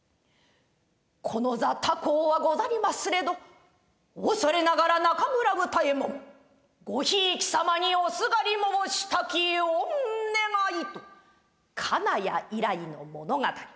「この座高うはござりますれど恐れながら中村歌右衛門ごひいき様におすがり申したき御願い」と金谷以来の物語。